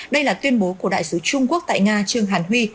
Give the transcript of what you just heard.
đây là tuyên bố của đại sứ trung quốc tại nga trương hàn huy